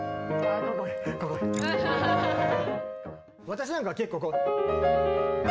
私なんかは結構こう。